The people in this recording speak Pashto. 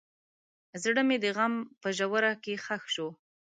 زړه مې د غم په ژوره کې ښخ شو.